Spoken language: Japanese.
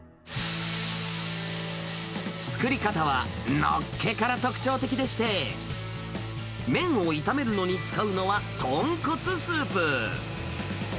作り方は、のっけから特徴的でして、麺を炒めるのに使うのは、豚骨スープ。